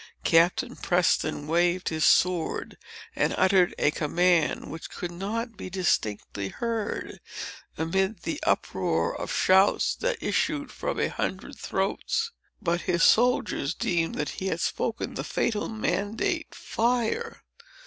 Captain Preston waved his sword, and uttered a command which could not be distinctly heard, amid the uproar of shouts that issued from a hundred throats. But his soldiers deemed that he had spoken the fatal mandate—"fire!"